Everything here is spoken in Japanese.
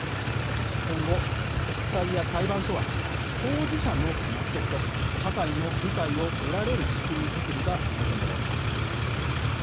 今後、国会や裁判所は当事者の納得と社会の理解を得られる仕組み作りが求められます。